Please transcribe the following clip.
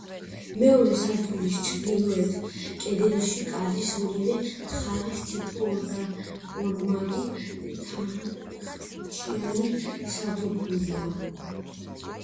მეორე სართულის ჩრდილოეთ კედელში, კარის ორივე მხარეს, თითო ორმაგი თახჩიანი სათოფურია.